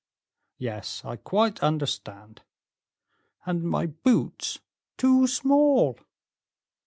"Yes, I quite understand." "And my boots too small."